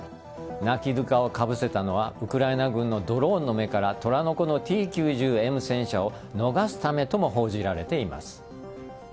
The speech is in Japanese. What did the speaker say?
ＮＡＫＩＤＫＡをかぶせたのはウクライナ軍のドローンの目から虎の子のＴ‐９０Ｍ戦車を逃すためと報じられています。